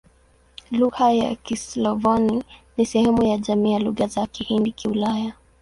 Lugha za Kislavoni ni sehemu ya jamii ya Lugha za Kihindi-Kiulaya.